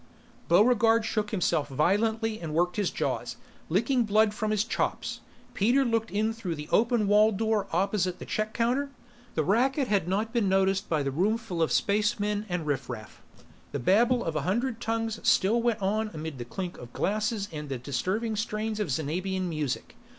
Buregarde shook himself violently and worked his jaws, licking blood from his chops. Peter looked in through the open wall door opposite the check counter; the racket had not been noticed by the roomful of spacemen and riffraff. The babble of a hundred tongues still went on amid the clink of glasses and the disturbing strains of Xanabian music.